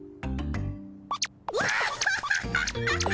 ワハハハハハ。